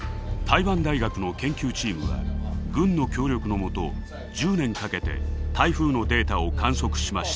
台湾大学の研究チームは軍の協力のもと１０年かけて台風のデータを観測しました。